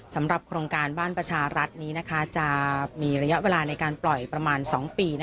สำหรับโครงการบ้านประชารัฐนี้จะมีระยะเวลาในการปล่อยประมาณ๒ปี